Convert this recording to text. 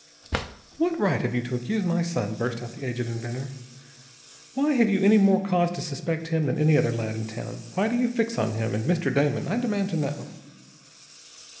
"What right have you to accuse my son?" burst out the aged inventor. "Why have you any more cause to suspect him than any other lad in town? Why do you fix on him, and Mr. Damon? I demand to know."